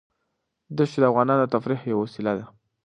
دښتې د افغانانو د تفریح یوه وسیله ده.